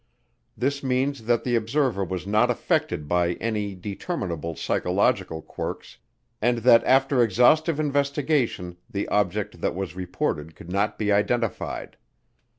This means that the observer was not affected by any determinable psychological quirks and that after exhaustive investigation the object that was reported could not be identified.